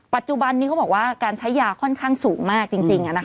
ปัจจุบันนี้เขาบอกว่าการใช้ยาค่อนข้างสูงมากจริง